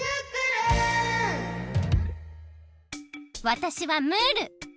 わたしはムール。